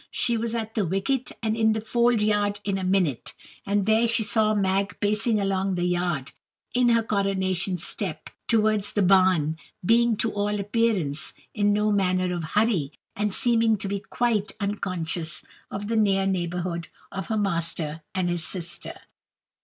She was at the wicket and in the fold yard in a minute, and there she saw Mag pacing along the yard, in her coronation step, towards the barn, being, to all appearance, in no manner of hurry, and seeming to be quite unconscious of the near neighbourhood of her master and his sister.